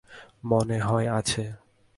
মনে হয় আছে।